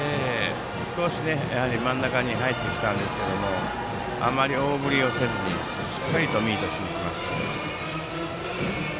少し真ん中に入ってきたんですがあまり大振りせずしっかりミートしに行きました。